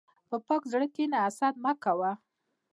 په پاک زړه کښېنه، حسد مه کوه.